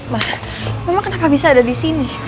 ma mama kenapa bisa ada disini